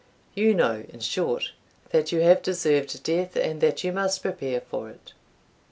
You know, in short, that you have deserved death, and that you must prepare for it."